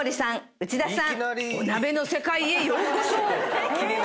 内田さん。